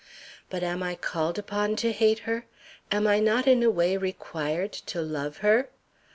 But am I called upon to hate her? Am I not in a way required to love her?